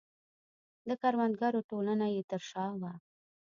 د کروندګرو ټولنه یې تر شا وه.